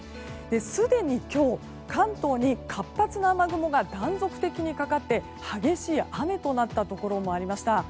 すでに今日、関東に活発な雨雲が断続的にかかって、激しい雨となったところもありました。